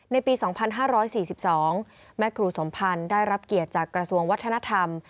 ในปี๒๕๔๒แม่ครูสมพันธ์ได้รับเกียรติจากกระทรวงวัฒนธรรม